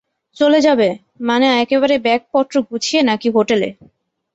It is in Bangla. চলে যাবে, মানে একেবারে ব্যাগপত্র গুছিয়ে নাকি হোটেলে?